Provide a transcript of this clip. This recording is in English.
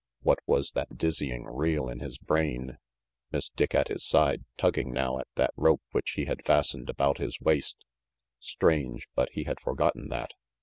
What was that dizzying reel in his brain? Miss Dick at his side, tugging now at that rope which he had fastened about his waist. 364 RANGY PETE Strange, but he had forgotten that.